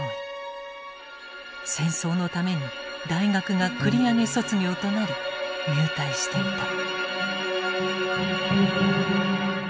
戦争のために大学が繰り上げ卒業となり入隊していた。